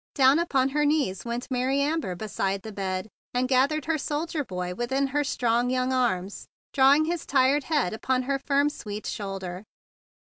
Down upon her knees went Mary Amber beside that bed, and gathered her soldier boy within her strong young arms, drawing his tired head upon her firm, sweet shoulder.